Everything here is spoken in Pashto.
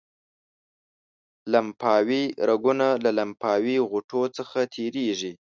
لمفاوي رګونه له لمفاوي غوټو څخه تیریږي.